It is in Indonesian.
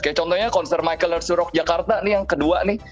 kayak contohnya konser michael hirst rock jakarta nih yang kedua nih